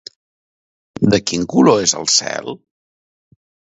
De quin color és el cel?